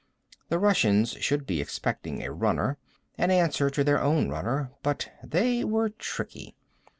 The Russians should be expecting a runner, an answer to their own runner, but they were tricky.